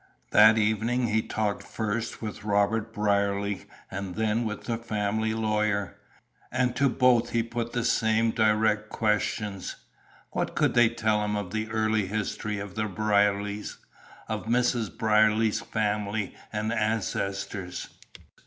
That evening he talked first with Robert Brierly and then with the family lawyer, and to both he put the same direct questions, "What could they tell him of the early history of the Brierlys? of Mrs. Brierly's family and ancestors?